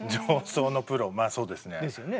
まぁそうですね。